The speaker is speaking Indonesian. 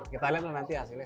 kita lihat nanti hasilnya